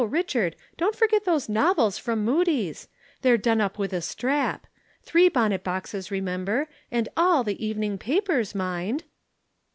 Richard, don't forget those novels from Mudie's, they're done up with a strap. Three bonnet boxes, remember, and all the evening papers, mind.'